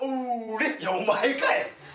いやお前かい！